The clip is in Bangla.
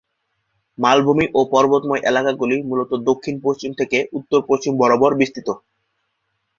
মালভূমি ও পর্বতময় এলাকাগুলি মূলত দক্ষিণ-পশ্চিম থেকে উত্তর-পশ্চিম বরাবর বিস্তৃত।